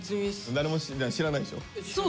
誰も知らないでしょ？